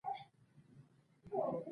پوهېدم چې هغه په دې خوړو قناعت نه کوي